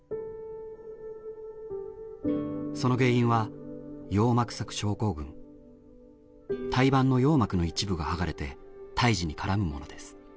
その原因は胎盤の羊膜の一部が剥がれて胎児に絡むものです。